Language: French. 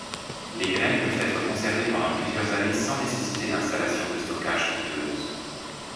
Les graines peuvent être conservées pendant plusieurs années sans nécessiter d'installations de stockage coûteuses.